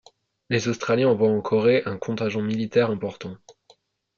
Les Australiens envoient en Corée un contingent militaire important.